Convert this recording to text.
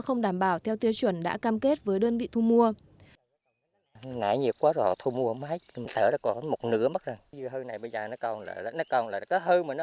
không đảm bảo theo tiêu chuẩn đã cam kết với đơn vị thu mua